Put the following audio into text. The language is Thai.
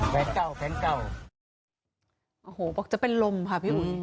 แฟนเก่าแฟนเก่าโอ้โหบอกจะเป็นลมค่ะพี่อุ๋ย